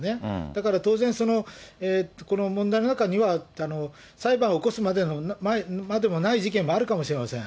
だから当然、この問題の中には、裁判を起こすまでもない事件もあるかもしれません。